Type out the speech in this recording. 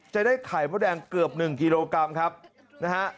จะได้ไข่มดแดงเกือบ๑กิโลกรัมครับนะฮะ